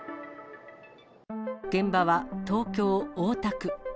現場は東京・大田区。